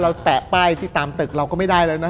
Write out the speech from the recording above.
แตะป้ายที่ตามตึกเราก็ไม่ได้แล้วนะ